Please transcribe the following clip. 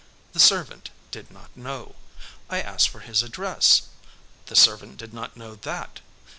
The servant did not know. I asked for his address. The servant did not know that.